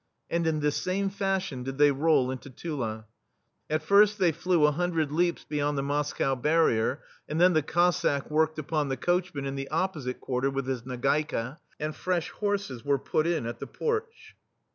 And in this same fashion did they roll into Tula ; at first they flew a hun dred leaps beyond the Moscow barrier, and then the Cossack worked upon the coachman in the opposite quarter, with his nagaika, and fresh horses were put in at the porch.